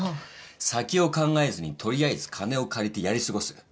先を考えずにとりあえず金を借りてやり過ごす。